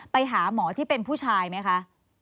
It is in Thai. ไปหาหมอที่เป็นผู้ชายไหมคะ